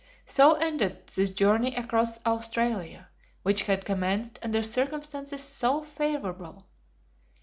So ended this journey across Australia, which had commenced under circumstances so favorable.